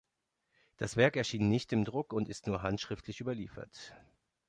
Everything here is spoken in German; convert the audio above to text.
Das Werk erschien nicht im Druck und ist nur handschriftlich überliefert.